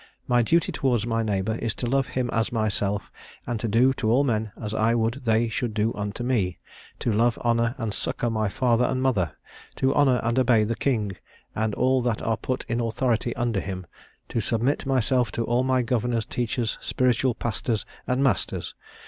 My duty towards my neighbour is to love him as myself, and to do to all men as I would they should do unto me. To love, honour, and succour my father and mother. To honour and obey the king, and all that are put in authority under him. To submit myself to all my governors, teachers, spiritual pastors, and masters.